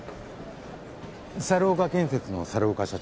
猿岡建設の猿岡社長。